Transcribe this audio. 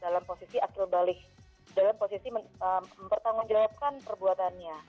dalam posisi akil balik dalam posisi mempertanggungjawabkan perbuatannya